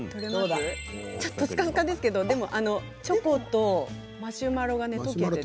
ちょっと、すかすかですけどチョコとマシュマロが溶けて。